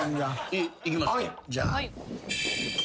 いきますね。